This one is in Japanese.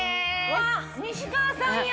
わあ西川さんや！